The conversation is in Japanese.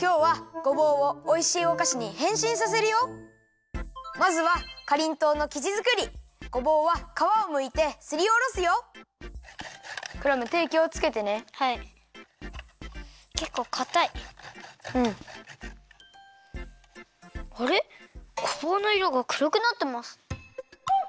ごぼうのいろがくろくなってます！